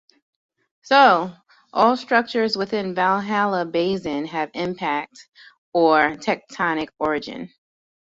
So, all structures within Valhalla basin have impact or tectonic origin.